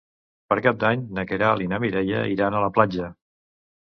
Per Cap d'Any na Queralt i na Mireia iran a la platja.